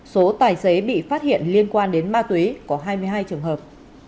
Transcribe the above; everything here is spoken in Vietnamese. số tài xế bị phát hiện liên quan đến ma túy có hai mươi hai trường hợp